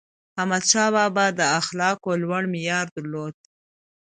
احمدشاه بابا د اخلاقو لوړ معیار درلود.